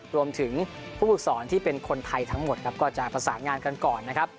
รวมถึงผู้ฝึกสอนที่เป็นคนไทยทั้งหมดครับก็จะประสานงานกันก่อนนะครับ